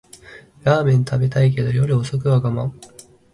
ラーメン食べたいけど夜遅くは我慢